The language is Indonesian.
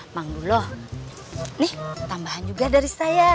mang dulu nih tambahan juga dari saya